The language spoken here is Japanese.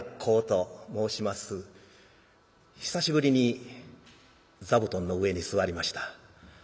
久しぶりに座布団の上に座りました。